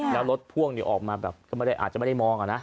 แล้วรถพ่วงนี่ออกมาแบบอาจจะไม่ได้มองกันนะ